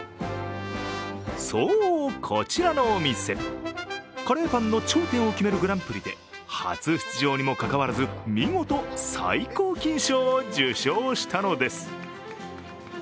そう、こちらのお店、カレーパンの頂点を決めるグランプリで初出場にもかかわらず見事、最高金賞を受賞したのです。